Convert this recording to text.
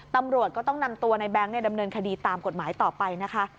ตำรวจก็ต้องนำตัวในแบงค์ดำเนินคดีตามกฎหมายต่อไปนะคะ